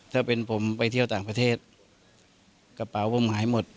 ถ้าเป็นผมไปเที่ยวต่างประเทศกระเป๋าผมหายหมด